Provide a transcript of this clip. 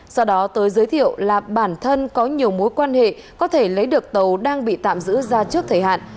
sau đó tới giới thiệu là bản thân có nhiều mối quan hệ có thể lấy được tàu đang bị tạm giữ ra trước thời hạn